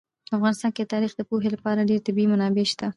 په افغانستان کې د تاریخ د پوهې لپاره ډېرې طبیعي منابع شته دي.